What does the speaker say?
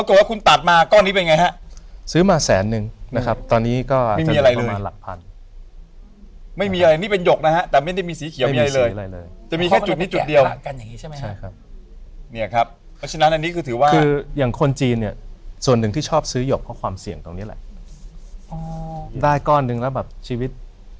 เขาถือมาทั้งชีวิต